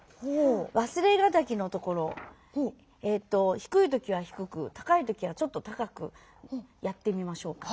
「わすれがたき」のところを低い時は低く高い時はちょっと高くやってみましょうか。